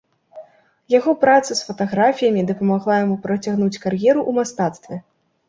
Яго праца з фатаграфіямі дапамагла яму працягнуць кар'еру ў мастацтве.